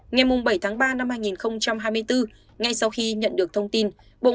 ngày bảy tháng ba năm hai nghìn hai mươi bốn ngay sau khi nhận được thông tin